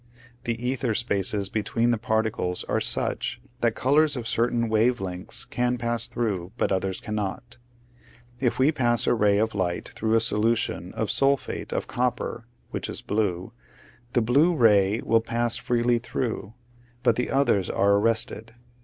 The ether spaces between the particles are such that colors of certain wave lengths can pass through but others cannot. If we pass a ray of light through a solution of sulphate of copper — which is blue — the blue ray will pass freely through, but the others are arrested.